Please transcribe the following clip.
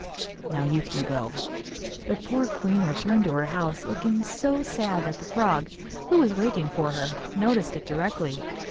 Now you can go.' The poor queen returned to her house looking so sad that the frog, who was waiting for her, noticed it directly.